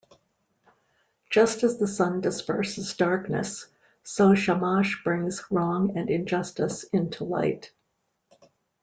Just as the Sun disperses darkness, so Shamash brings wrong and injustice to light.